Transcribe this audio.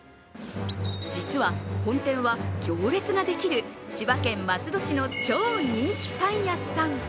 実は、本店は行列ができる千葉県松戸市の超人気パン屋さん。